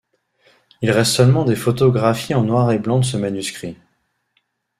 Il reste seulement des photographies en noir et blanc de ce manuscrit.